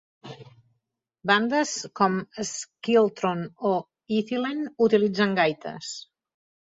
Bandes com Skiltron o Ithilien utilitzen gaites.